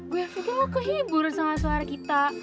gue pikir lo kehiburan sama suara kita